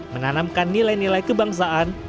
menanamkan nilai nilai kebangsaan